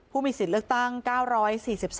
ผู้มีสินเลือกตั้ง๙๔๓คน